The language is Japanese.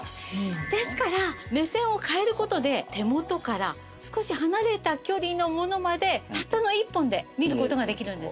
ですから目線を変える事で手元から少し離れた距離のものまでたったの１本で見る事ができるんです。